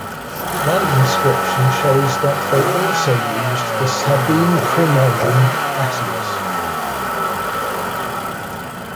One inscription shows that they also used the Sabine praenomen "Attius".